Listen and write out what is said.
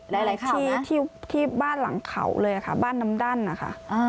หลายที่ที่บ้านหลังเขาเลยค่ะบ้านน้ำดั้นนะคะ